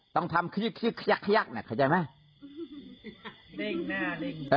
ต้องทำคี้คี้คัยักคัยักน่ะเข้าใจไหมเด้งหน้าเด้ง